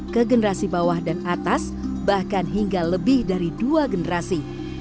ke generasi bawah dan atas bahkan hingga lebih dari dua generasi